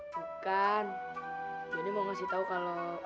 bukan jadi mau ngasih tau kalau